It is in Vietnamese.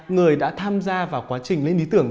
người đã tham gia vào quá trình lấy lý tưởng